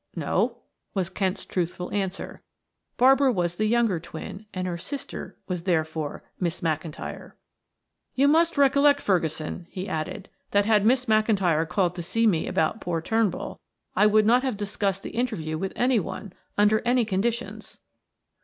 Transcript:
"No," was Kent's truthful answer; Barbara was the younger twin and her sister was therefore, "Miss McIntyre." "You must recollect, Ferguson," he added, "that had Miss McIntyre called to see me about poor Turnbull, I would not have discussed the interview with any one, under any conditions."